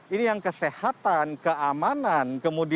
ini yang kesehatan keamanan